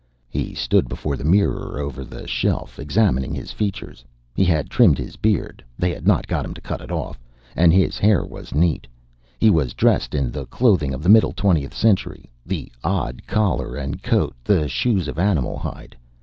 He stood before the mirror over the shelf, examining his features. He had trimmed his beard they had not got him to cut it off and his hair was neat. He was dressed in the clothing of the middle twentieth century, the odd collar and coat, the shoes of animal hide.